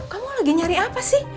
kamu lagi nyari apa sih